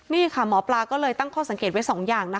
นี่ค่ะหมอปลาก็เลยตั้งข้อสังเกตไว้๒อย่างนะคะ